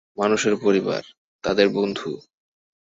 মানুষের পরিবার, তাদের বন্ধু।